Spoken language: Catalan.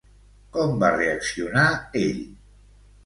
Com va reaccionar ell?